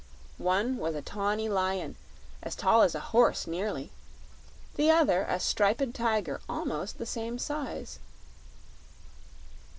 One was a tawny lion, as tall as a horse, nearly; the other a striped tiger almost the same size.